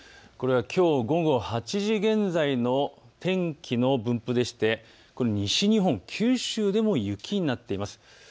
これはきょう午後８時現在の天気の分布でして西日本、九州でも、雪になっています。